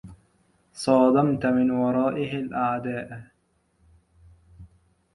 صادمتْ مِن ورائه الأعداءَ